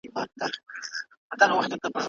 سياسي شرايطو له کلونو اقتصاد تر اغيزې لاندې ساتلی و.